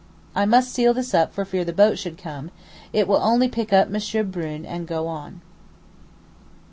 I must seal up this for fear the boat should come; it will only pick up M. Brune and go on.